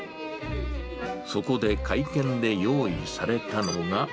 そこで会見で用意されたのが。